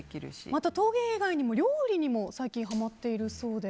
また陶芸以外にも料理にも最近ハマっているそうで。